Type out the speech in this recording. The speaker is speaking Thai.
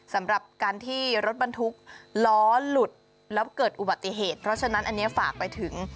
สำหรับการที่รถบรรทุกล้อหลุดแล้วเกิดอุบัติเหตุเพราะฉะนั้นอันนี้ฝากไปถึง